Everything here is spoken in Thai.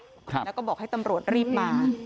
ครับแล้วก็บอกให้ตำรวจรีบมา